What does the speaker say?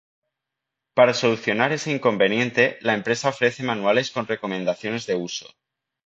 Para solucionar ese inconveniente, la empresa ofrece manuales con recomendaciones de uso.